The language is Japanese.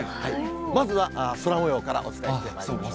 まずは空もようからお伝えしてまいりましょう。